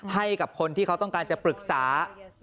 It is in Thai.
ให้กับคนที่เขาต้องการจะปรึกษา